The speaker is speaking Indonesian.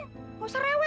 nggak usah cerewet deh